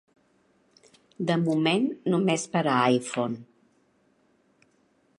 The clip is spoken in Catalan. De moment només per a iPhone.